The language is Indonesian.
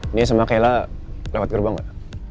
ini sama kayla lewat gerbang gak